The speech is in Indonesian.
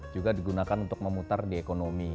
juga digunakan untuk memutar di ekonomi